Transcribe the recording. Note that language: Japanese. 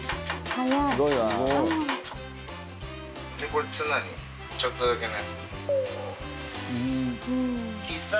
これ、ツナにちょっとだけね。